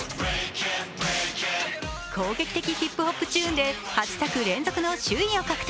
攻撃的ヒップホップチューンで８作連続の首位を獲得。